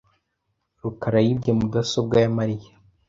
rukara yibye mudasobwa ya Mariya .